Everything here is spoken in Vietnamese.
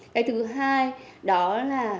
cái thứ hai đó là